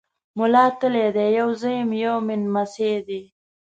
مولا تالی دی! يو زه یم، یو مې نمسی دی۔